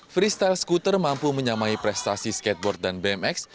freestyle skuter mampu menyamai prestasi skateboard dan bmx